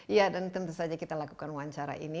iya dan tentu saja kita lakukan wawancara ini